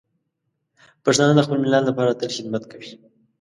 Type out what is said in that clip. پښتانه د خپل ملت لپاره تل خدمت کوي.